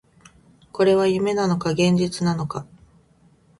これは夢なのか、現実なのか